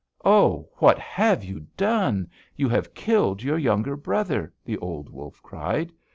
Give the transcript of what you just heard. "'Oh, what have you done! You have killed your younger brother!' the old wolf cried.